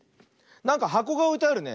なんかはこがおいてあるね。